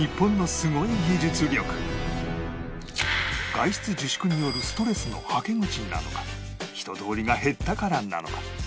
外出自粛によるストレスのはけ口なのか人通りが減ったからなのか